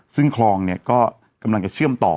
ซึ่งคลองเนี่ยก็กำลังจะเชื่อมต่อ